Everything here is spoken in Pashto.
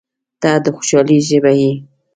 • ته د خوشحالۍ ژبه یې.